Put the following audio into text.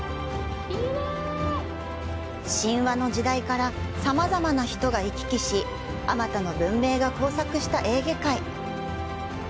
神話の時代からさまざまな人が行き来しあまたの文明が交錯したエーゲ海。